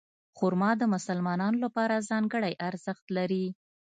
خرما د مسلمانانو لپاره ځانګړی ارزښت لري.